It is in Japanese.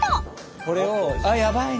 これをあっやばいね。